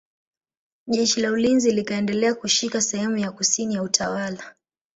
Jeshi la ulinzi likaendelea kushika sehemu ya kusini ya utawala